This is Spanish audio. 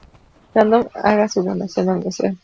Random haga su donación al museo.